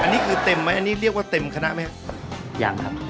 อันนี้คือเต็มไหมเรียกว่าเต็มคณะใช่ไหม